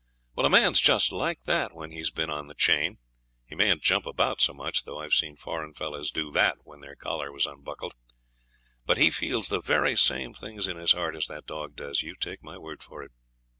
Well a man's just like that when he's been on the chain. He mayn't jump about so much, though I've seen foreign fellows do that when their collar was unbuckled; but he feels the very same things in his heart as that dog does, you take my word for it.